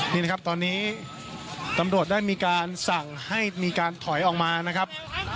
นี่นะครับตอนนี้ตำรวจได้มีการสั่งให้มีการถอยออกมานะครับ